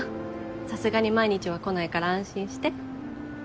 さすがに毎日は来ないから安心して。